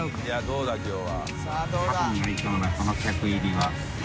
この客入りは。